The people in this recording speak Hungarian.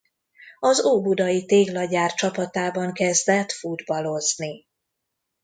Az Óbudai Téglagyár csapatában kezdett futballozni.